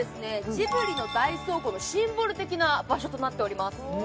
ジブリの大倉庫のシンボル的な場所となっております